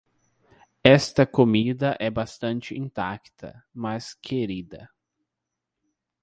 Esta comida é bastante intacta, mas querida.